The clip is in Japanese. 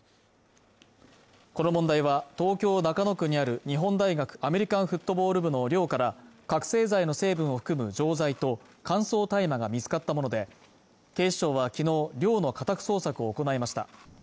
この問題は東京中野区にある日本大学アメリカンフットボール部の寮から覚醒剤の成分を含む錠剤と乾燥大麻が見つかったもので警視庁は昨日、寮の家宅捜索を行いました